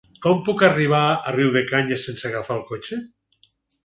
Com puc arribar a Riudecanyes sense agafar el cotxe?